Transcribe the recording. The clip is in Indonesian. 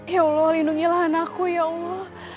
ya allah lindungilah anakku ya allah